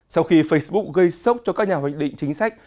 sau khi facebook gây sốc cho các nhà hoạch định chính sách